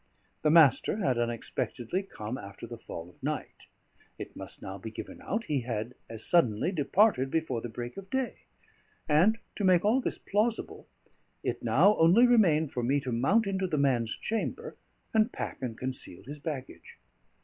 The Master had unexpectedly come after the fall of night; it must now be given out he had as suddenly departed before the break of day; and, to make all this plausible, it now only remained for me to mount into the man's chamber, and pack and conceal his baggage.